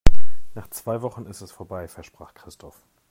Nach zwei Wochen ist es vorbei, versprach Christoph.